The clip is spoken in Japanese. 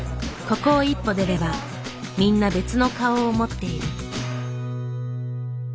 ここを一歩出ればみんな別の顔を持っている。